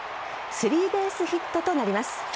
スリーベースヒットとなります。